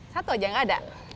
satu aja nggak ada